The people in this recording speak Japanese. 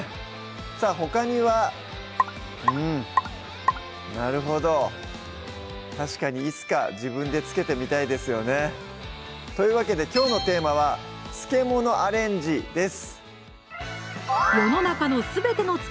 さぁほかにはうんなるほど確かにいつか自分で漬けてみたいですよねというわけできょうのテーマは「漬け物アレンジ」です